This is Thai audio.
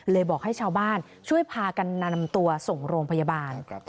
บอกให้ชาวบ้านช่วยพากันนำตัวส่งโรงพยาบาล